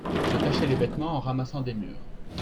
se tâcher les vêtements en ramassant des mûres.